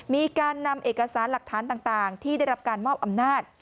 มีการนำเอกสารหลักฐานต่างที่ได้รับการมอบอำนาจ